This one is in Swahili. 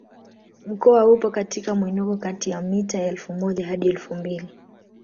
Mkoa upo katika mwinuko kati ya mita elfu moja hadi elfu mbili